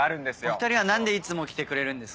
お２人は何でいつも来てくれるんですか？